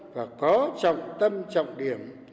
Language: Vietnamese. và có trọng tâm trọng điểm